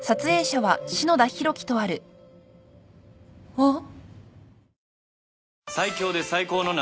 あっ。